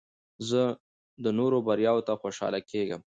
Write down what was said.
زه د نورو بریاوو ته خوشحاله کېږم.